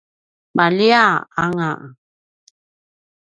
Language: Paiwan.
maljia anga